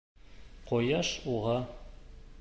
Ҡояш уға: